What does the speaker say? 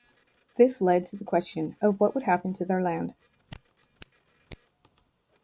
This led to the question of what would happen to their land.